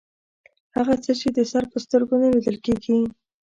هغه څه چې د سر په سترګو نه لیدل کیږي